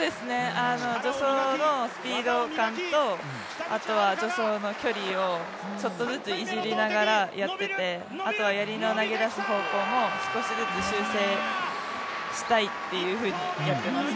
助走のスピード感と助走の距離をちょっとずついじりながら、やってて、あとはやりの投げ出す方向も少しずつ修正したいっていうふうにやってました。